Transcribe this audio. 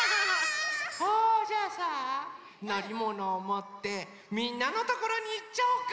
あじゃあさのりものをもってみんなのところにいっちゃおうか！